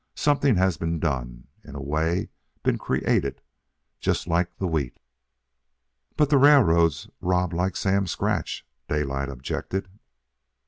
Something has been done, in a way been created, just like the wheat." "But the railroads rob like Sam Scratch," Daylight objected.